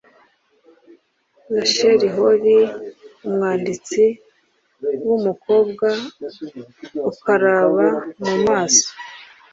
Rachel Hollis, umwanditsi wumukobwa, ukaraba mu maso